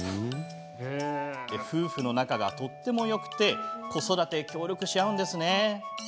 夫婦の仲がとてもよくて子育て、協力し合うんです。